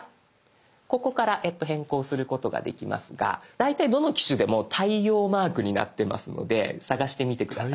ここから変更することができますが大体どの機種でも太陽マークになってますので探してみて下さい。